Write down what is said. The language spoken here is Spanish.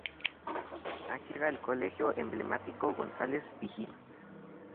Aquí se encuentra el Colegio Emblemático Gonzales Vigil.